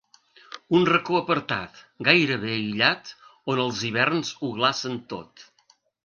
Un racó apartat, gairebé aïllat, on els hiverns ho glacen tot.